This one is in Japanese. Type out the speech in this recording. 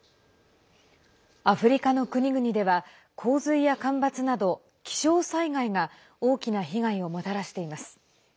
アフリカの国々では洪水や干ばつなど、気象災害が大きな被害をもたらしています。